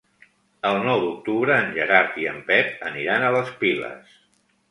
El nou d'octubre en Gerard i en Pep aniran a les Piles.